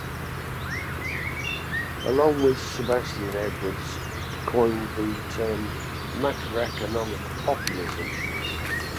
Along with Sebastian Edwards coined the term macroeconomic populism.